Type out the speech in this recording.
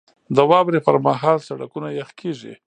• د واورې پر مهال سړکونه یخ کېږي.